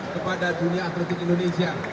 kepada dunia atletik indonesia